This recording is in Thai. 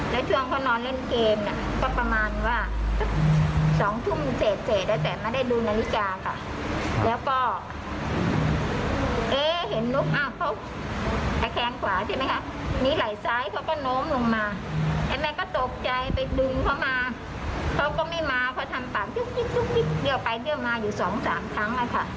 และช่วงเขานอนเล่นเกมก็ประมาณว่าสองทุ่มเศษแต่ไม่ได้ดูนาฬิกาก่อน